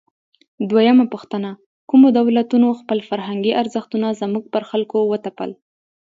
دویمه پوښتنه: کومو دولتونو خپل فرهنګي ارزښتونه زموږ پر خلکو وتپل؟